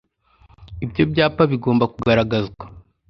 Ibyo byapa bigomba kugaragazwa